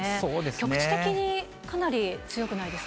局地的にかなり強くないです